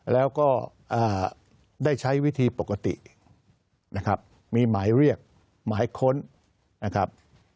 แล้วก็ได้ใช้วิธีปกตินะครับมีหมายเรียกหมายค้นนะครับ